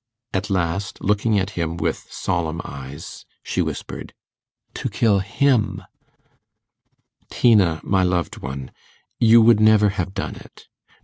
At last, looking at him with solemn eyes, she whispered, 'To kill him.' 'Tina, my loved one, you would never have done it.